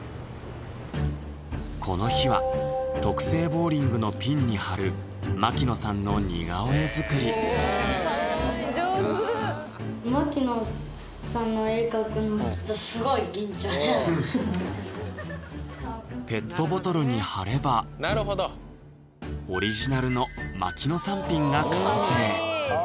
この日は特製ボウリングのピンに貼る槙野さんの似顔絵作りかわいい上手ペットボトルに貼ればオリジナルの槙野さんピンが完成！